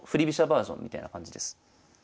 バージョンみたいな感じです。